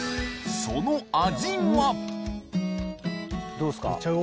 どうですか？